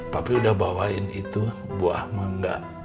tapi udah bawain itu buah mangga